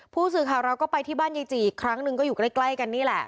ผู้สื่อข่าวเราก็ไปที่บ้านยายจีอีกครั้งหนึ่งก็อยู่ใกล้กันนี่แหละ